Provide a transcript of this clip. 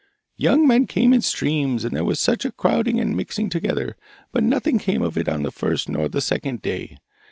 'Young men came in streams, and there was such a crowding and a mixing together! But nothing came of it on the first nor on the second day.